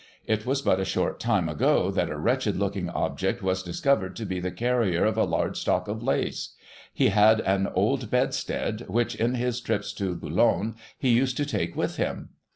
It was but a short time ago, that a wretched looking object was discovered to be the carrier of a large stock of lace. He had an old bedstead, which, in his trips to Boulogne, he used to take with him.